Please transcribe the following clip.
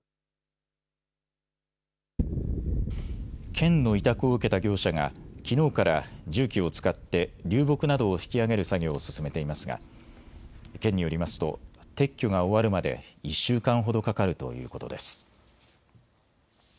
県の委託を受けた業者がきのうから重機を使って流木などを引き上げる作業を進めていますが県によりますと撤去が終わるまで１週間ほどかかるということです。